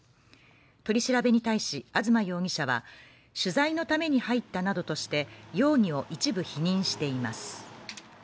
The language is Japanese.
取り調べに対し東容疑者は取材のために入ったなどとして容疑を一部否認しています。